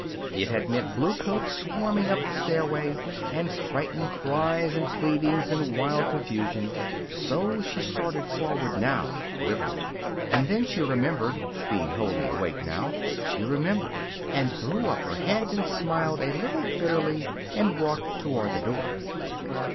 It had meant bluecoats swarming up the stairway, and frightened cries and pleadings, and wild confusion. So she started forward now, quivering. And then she remembered, being wholly awake now she remembered, and threw up her head and smiled a little bitterly and walked toward the door.